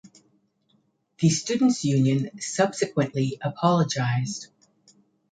The Students' Union subsequently apologized.